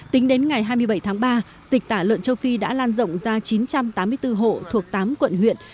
tính đến ngày hai mươi bảy tháng ba dịch tả lợn châu phi đã lan rộng ra chín trăm tám mươi bốn hộ thuộc tám quận huyện